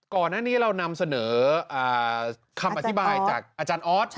ก่อนหน้านี้เรานำเสนอคำอธิบายจากอาจารย์ออส